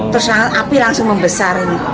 terus api langsung membesar